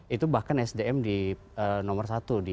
itu bahkan sdm di nomor satu